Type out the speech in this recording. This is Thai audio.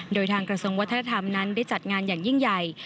โดยทางกระทรวงวัฒนธรรมนั้นได้จัดงานอย่างยิ่งใหญ่